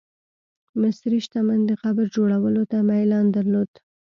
مصري شتمن د قبر جوړولو ته میلان درلود.